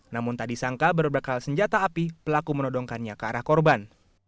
namun tak disangka berbekal senjata api pelaku menodongkannya ke arah korban